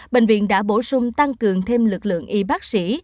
bệnh viện đã bổ sung tăng cường thêm lực lượng y bác sĩ